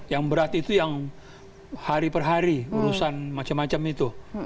yang berat itu yang hari per hari urusan macam macam itu